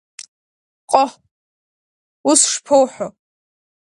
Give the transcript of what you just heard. Ҟох, ус шԥоуҳәо!